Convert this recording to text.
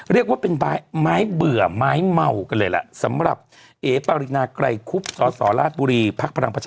เรียกว่าเป็นไม้เบื่อไม้เม่ากันเลยแหละสำหรับเอ๊ะปรินาใกล้คุบสสรบุรีพพรร